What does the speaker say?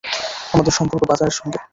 আমাদের সম্পর্ক বাজারের সঙ্গে।